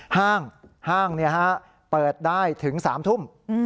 ห้างเปิดได้ถึง๓ทุ่ม